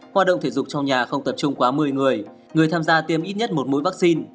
hoạt động thể dục trong nhà không tập trung quá một mươi người người tham gia tiêm ít nhất một mũi vaccine